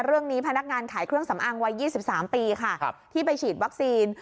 เรื่องนี้พนักงานขายเครื่องสำอางวัย๒๓ปีที่ไปฉีดวัคซีน